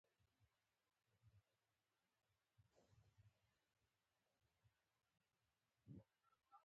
نیکه د پندونو خزانه وي.